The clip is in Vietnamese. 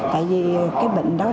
tại vì cái bệnh đó